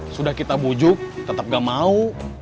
sudah kita bujuk tetap gak mau